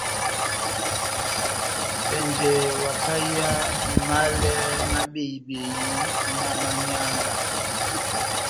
Bɛnjɛ ohapahiya málɛ má behi-behi na manyanga.